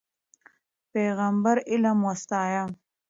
پیغمبر علم وستایه.